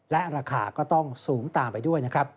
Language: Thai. และราคาก็ต้องสูงตามไปด้วยนะครับ